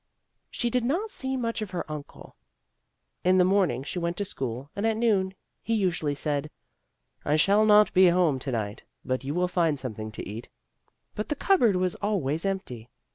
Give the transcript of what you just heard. She did not see much of her uncle. In the morning she went to school and at noon he usually said: THE TIME OF ROSES 11 "I shall not be home to night, but you will find something to eat." But the cupboard was always empty.